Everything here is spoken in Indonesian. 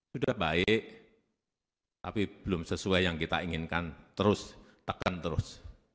sudah baik tapi belum sesuai yang kita inginkan terus tekan terus